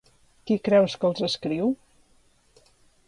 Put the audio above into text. Qui creus que els escriu?